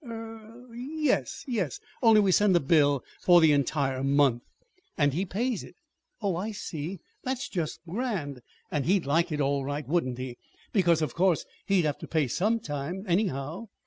"Er y yes, only we send a bill for the entire month." "And he pays it? Oh, I see. That's just grand! And he'd like it all right, wouldn't he? because of course he'd have to pay some time, anyhow.